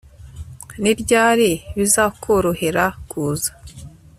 Ni ryari bizakorohera kuza